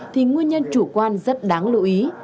thì nguyên nhân chủ quan rất đáng lưu ý